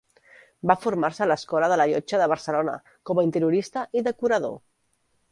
Va formar-se a l'Escola de la Llotja de Barcelona com a interiorista i decorador.